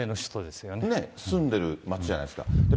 住んでる街じゃないですか。